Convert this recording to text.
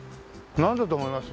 なんだと思います？